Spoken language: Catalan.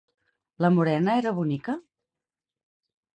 La morena era bonica?